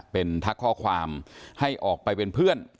เป็นทักข้อความให้ออกไปเป็นเพื่อน